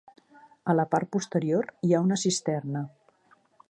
A la part posterior hi ha una cisterna.